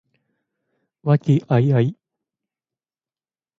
和気藹々